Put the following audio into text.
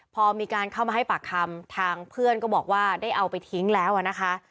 พอมีการเข้ามาให้ปากคำทางเพื่อนก็บอกว่าได้เอาไปทิ้งแล้วนะคะ